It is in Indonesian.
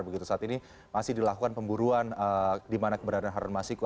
begitu saat ini masih dilakukan pemburuan di mana keberadaan harun masiku